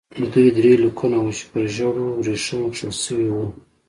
دوی درې لیکونه وو چې پر ژړو ورېښمو کښل شوي وو.